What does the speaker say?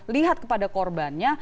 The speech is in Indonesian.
lihat kepada korbannya